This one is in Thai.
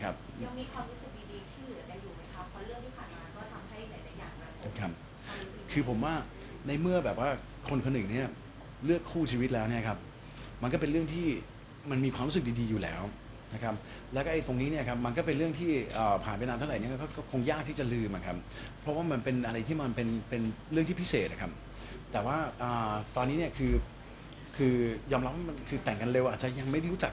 คือผมว่าในเมื่อแบบว่าคนคนหนึ่งเนี่ยเลือกคู่ชีวิตแล้วเนี่ยครับมันก็เป็นเรื่องที่มันมีความรู้สึกดีอยู่แล้วนะครับแล้วก็ไอ้ตรงนี้เนี่ยครับมันก็เป็นเรื่องที่ผ่านไปนานเท่าไหนี้มันก็คงยากที่จะลืมนะครับเพราะว่ามันเป็นอะไรที่มันเป็นเป็นเรื่องที่พิเศษนะครับแต่ว่าตอนนี้เนี่ยคือคือยอมรับว่ามันคือแต่งกันเร็วอาจจะยังไม่ได้รู้จัก